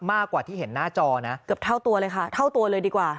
มากกว่าที่เห็นหน้าจอนะเกือบเท่าตัวเลยค่ะเท่าตัวเลยดีกว่า